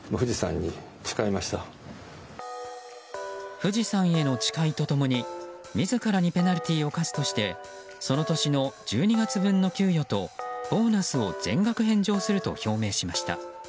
富士山への誓いと共に自らにペナルティーを科すとしてその年の１２月分の給与とボーナスを全額返上すると表明しました。